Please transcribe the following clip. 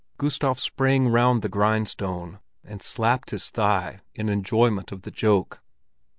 Gustav sprang round the grindstone, and slapped his thigh in enjoyment of the joke.